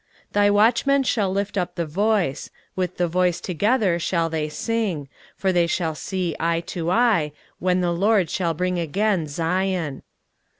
23:052:008 Thy watchmen shall lift up the voice; with the voice together shall they sing: for they shall see eye to eye, when the LORD shall bring again Zion.